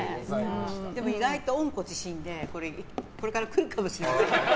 意外と温故知新でこれから来るかもしれない。